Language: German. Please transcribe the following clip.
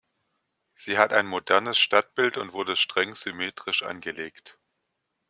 Sie hat ein modernes Stadtbild und wurde streng symmetrisch angelegt.